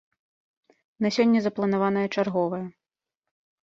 На сёння запланаваная чарговая.